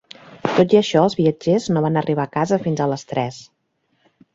Tot i això, els viatgers no van arribar a casa fins a les tres.